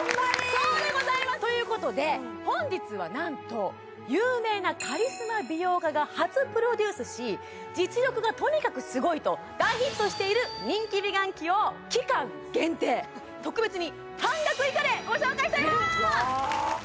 そうでございますということで本日はなんと有名なし実力がとにかくすごいと大ヒットしている人気美顔器を期間限定特別に半額以下でご紹介しちゃいます